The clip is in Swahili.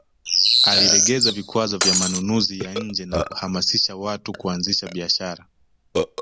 Alilegeza vikwazo vya manunuzi ya nje na kuhamasisha watu kuanzisha biashara